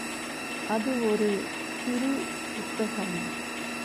அது ஒரு சிறு புத்தகம்.